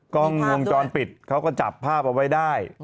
กล้องวงจรปิดเขาก็จับภาพเอาไว้ได้